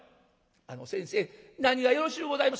「あの先生何がよろしゅうございます？」。